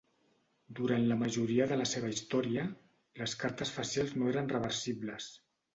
Durant la majoria de la seva història, les cartes facials no eren reversibles.